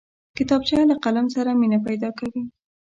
کتابچه له قلم سره مینه پیدا کوي